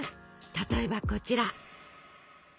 例えばこちら。